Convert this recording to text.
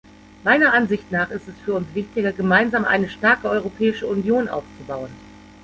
Meiner Ansicht nach ist es für uns wichtiger, gemeinsam eine starke Europäische Union aufzubauen.